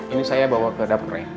ini saya bawa ke dapur ya